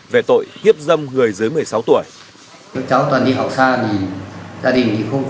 về tội hiếp dâm người dưới một mươi sáu tuổi